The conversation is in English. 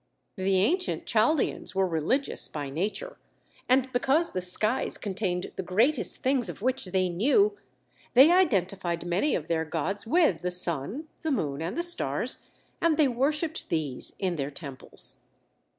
The ancient Chaldeans were religious by nature, and because the skies contained the greatest things of which they knew, they identified many of their gods with the sun, the moon, and the stars, and they worshipped these in their temples.